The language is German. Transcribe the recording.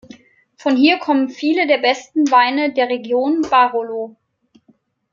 Von hier kommen viele der besten Weine der Region Barolo.